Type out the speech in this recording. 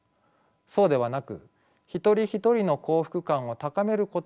そうではなく一人一人の幸福感を高めることを主眼に置くのです。